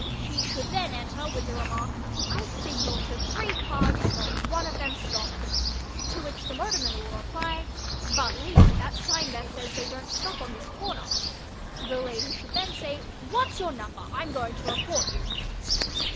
She should then enter with the remark, "I signalled to three cars and not one of them stopped," to which the motorman will reply, "But, lady, that sign there says they don't stop on this corner." The lady should then say "What's your number—I'm going to report you."